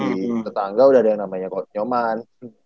di tetangga udah ada yang namanya nyoman